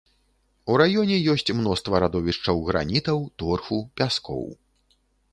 У раёне ёсць мноства радовішчаў гранітаў, торфу, пяскоў.